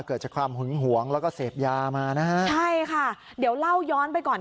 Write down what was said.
เกิดจากความหึงหวงแล้วก็เสพยามานะฮะใช่ค่ะเดี๋ยวเล่าย้อนไปก่อน